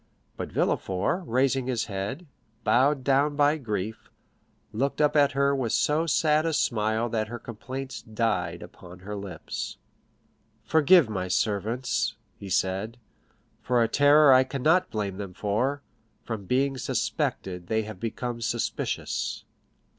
But Villefort, raising his head, bowed down by grief, looked up at her with so sad a smile that her complaints died upon her lips. "Forgive my servants," he said, "for a terror I cannot blame them for; from being suspected they have become suspicious."